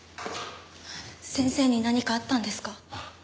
先生に何かあったんですか？